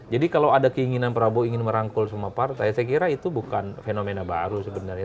jadi kalau ada keinginan prabowo ingin merangkul semua partai saya kira itu bukan fenomena baru sebenarnya